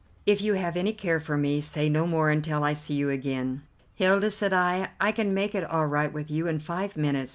If you have any care for me, say no more until I see you again." "Hilda," said I, "I can make it all right with you in five minutes.